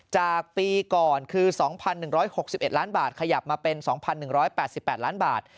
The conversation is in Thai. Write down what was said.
จากปีก่อนคือ๒๑๖๑ล้านบาทขยับมาเป็น๒๑๘๘ล้านบาท